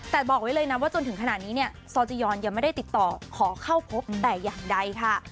แต่บอกไว้เลยนะว่าจนถึงขนาดนี้เนี่ยซอจียอนยังไม่ได้ติดต่อขอเข้าพบแต่อย่างใดค่ะ